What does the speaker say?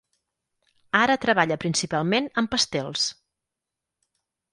Ara treballa principalment amb pastels.